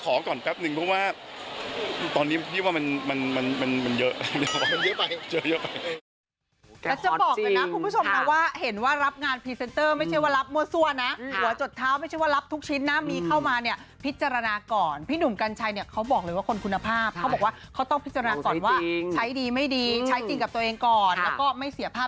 ก็มีติดต่อมาครับแต่ว่าตอนนี้เดี๋ยวขอพักไว้ก่อนเลย